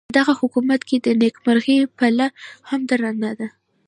پدغه حکومت کې د نیکمرغۍ پله هم درنده ده.